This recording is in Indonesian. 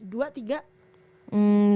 dua tiga hmm